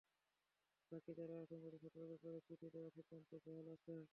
বাকি যাঁরা আছেন, তাঁদের সতর্ক করে চিঠি দেওয়ার সিদ্ধান্ত বহাল আছে।